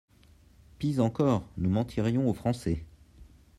Pis encore, nous mentirions aux Français